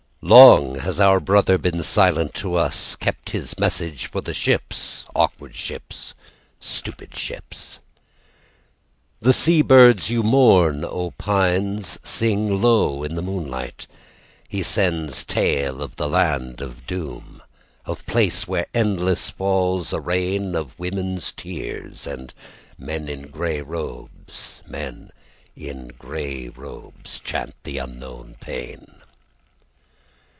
"Long has our brother been silent to us, "Kept his message for the ships, "Awkward ships, stupid ships." "The sea bids you mourn, O Pines, "Sing low in the moonlight. "He sends tale of the land of doom, "Of place where endless falls "A rain of women's tears, "And men in grey robes "Men in grey robes "Chant the unknown pain."